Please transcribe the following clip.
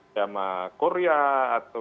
dama korea atau